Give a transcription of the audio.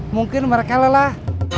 mungkin mereka lelah